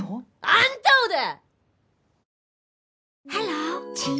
あんたをだ！